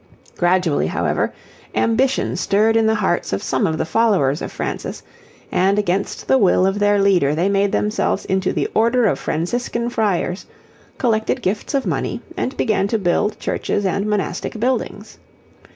Gradually, however, ambition stirred in the hearts of some of the followers of Francis, and against the will of their leader they made themselves into the Order of Franciscan Friars, collected gifts of money, and began to build churches and monastic buildings.